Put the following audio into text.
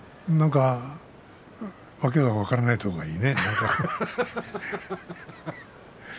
なんか訳の分からないところがいいね。